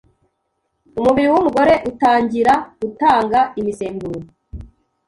umubiri w’umugore utangira gutanga imisemburo ,